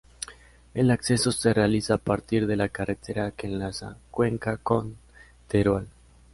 El acceso se realiza a partir de la carretera que enlaza Cuenca con Teruel.